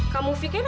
temannya ini anda